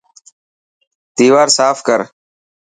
ديوار ساف ڪر.